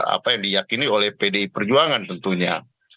apa yang diyakini oleh pdi perjuangan tentunya